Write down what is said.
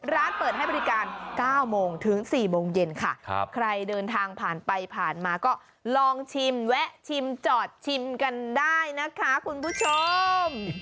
ร้านเปิดให้บริการ๙โมงถึง๔โมงเย็นค่ะใครเดินทางผ่านไปผ่านมาก็ลองชิมแวะชิมจอดชิมกันได้นะคะคุณผู้ชม